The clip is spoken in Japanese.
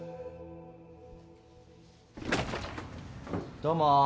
どうも。